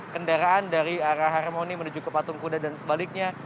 kendaraan dari arah harmoni menuju ke patung kuda dan sebaliknya